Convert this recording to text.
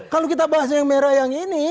kalau kita bahasa yang merah yang ini